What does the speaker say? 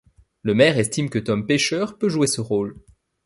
Le maire estime que Tom Pêcheur peut jouer ce rôle.